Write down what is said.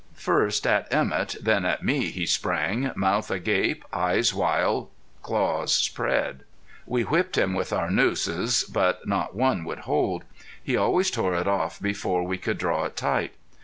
First at Emett, than at me he sprang, mouth agape, eyes wild, claws spread. We whipped him with our nooses, but not one would hold. He always tore it off before we could draw it tight.